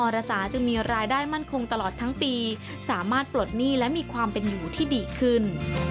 รสาจึงมีรายได้มั่นคงตลอดทั้งปีสามารถปลดหนี้และมีความเป็นอยู่ที่ดีขึ้น